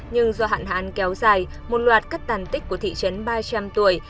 nhưng do hạn hán kéo dài một loạt các tàn tích của thị trấn ba trăm linh tuổi